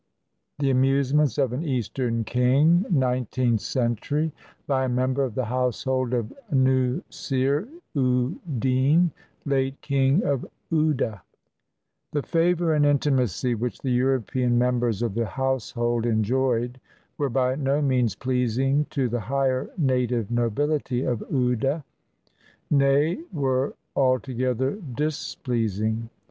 THE AMUSEMENTS OF AN EASTERN KING [Nineteenth century] BY A MEMBER OF THE HOUSEHOLD OF NUSSIR U DEEN, LATE KING OF OUDE The favor and intimacy which the European members of the household enjoyed were by no means pleasing to the higher native nobility of Chide — nay, were alto gether displeasing.